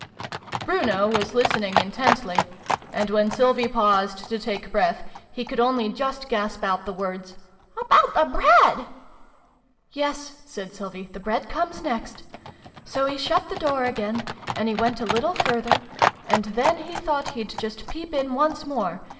' Bruno was listening intently : and, when Sylvie paused to take breath, he could only just gasp out the words " About the Bread ?" "Yes," said Sylvie, ''the Bread comes next. So he shut the door again ; and he went a little further ; and then he thought he'd just peep in once more.